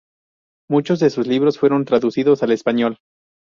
Muchos de sus libros fueron traducidos al español.